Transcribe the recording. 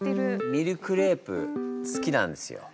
ミルクレープ好きなんですよ。